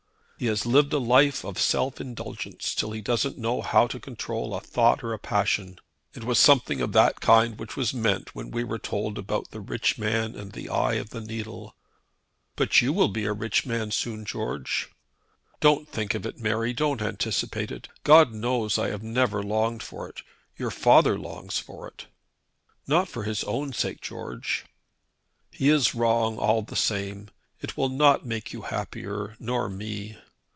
"He has lived a life of self indulgence till he doesn't know how to control a thought or a passion. It was something of that kind which was meant when we were told about the rich man and the eye of the needle." "But you will be a rich man soon, George." "Don't think of it, Mary; don't anticipate it. God knows I have never longed for it. Your father longs for it." "Not for his own sake, George." "He is wrong all the same. It will not make you happier, nor me."